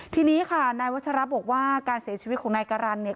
ทีนี้ค่ะนายวัชระบอกว่าการเสียชีวิตของนายการันเนี่ย